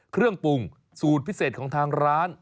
เครื่องปรุงสูตรพิเศษของทางร้าน